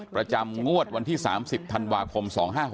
ประจำงวดวันที่๓๐ธันวาคม๒๕๖๖